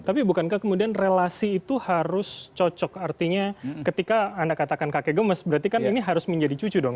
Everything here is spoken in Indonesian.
tapi bukankah kemudian relasi itu harus cocok artinya ketika anda katakan kakek gemes berarti kan ini harus menjadi cucu dong